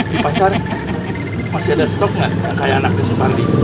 di pasar masih ada stok gak yang kaya anak di sumpanti